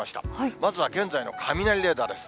まずは現在の雷レーダーです。